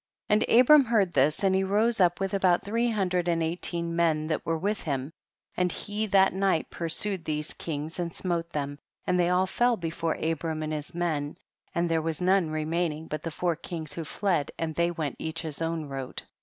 7. And Abram heard this, and he rose up with about tiu ee Imndrcd and eighteen men that were with him, and he that night pursued these kings and smote tiiem, and they all fell before Abram and his men, and there was none remaining but the four kings who fled, and they went each his otvn road.